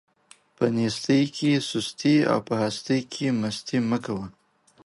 په نيستۍ کې سستي او په هستۍ کې مستي مه کوه.